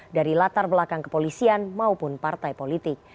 dari latar belakang kepolisian maupun partai politik